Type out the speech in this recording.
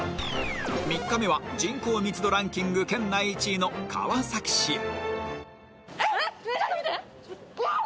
３日目は人口密度ランキング県内１位の川崎市へうわっ！